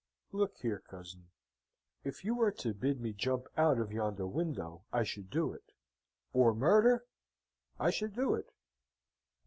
"Look here, cousin! If you were to bid me jump out of yonder window, I should do it; or murder, I should do it."